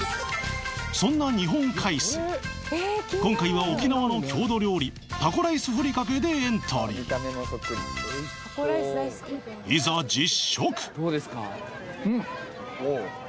そんな日本海水今回は沖縄の郷土料理タコライスふりかけでエントリーいざ実